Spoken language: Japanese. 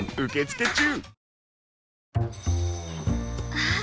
◆あっ！